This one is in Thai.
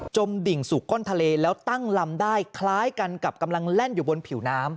มดิ่งสู่ก้นทะเลแล้วตั้งลำได้คล้ายกันกับกำลังแล่นอยู่บนผิวน้ำ